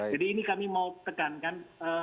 jadi ini kami mau tekankan